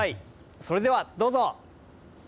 それではどうぞ。